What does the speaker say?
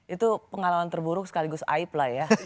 itu pengalaman terburuk sekaligus aib lah ya